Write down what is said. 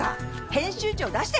編集長出して。